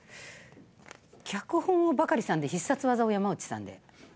脚本をバカリさんで必殺技を山内さんで。